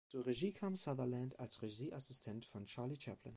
Zur Regie kam Sutherland als Regieassistent von Charlie Chaplin.